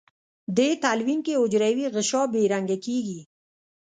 دې تلوین کې حجروي غشا بې رنګه کیږي.